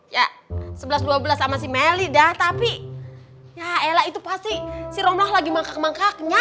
ya sebelas dua belas sama si melly dah tapi ya ela itu pasti si romlah lagi mangkak mangkaknya